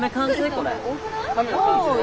これ。